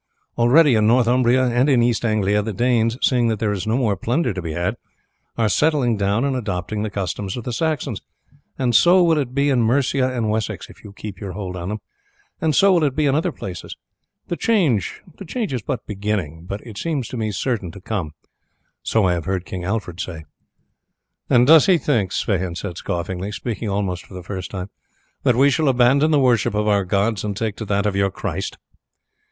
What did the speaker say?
Already in Northumbria and in East Anglia the Danes, seeing that there is no more plunder to be had, are settling down and adopting the customs of the Saxons, and so will it be in Mercia and Wessex if you keep your hold of them, and so will it be in other places. The change is but beginning, but it seems to me certain to come; so I have heard King Alfred say." "And does he think," Sweyn said scoffingly, speaking almost for the first time, "that we shall abandon the worship of our gods and take to that of your Christ?"